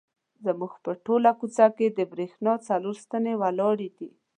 زموږ په ټوله کوڅه کې د برېښنا څلور ستنې ولاړې دي.